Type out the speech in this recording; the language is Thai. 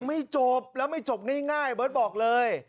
ไม่จบแล้วไม่จบง่ายเบิร์ตบอกเลย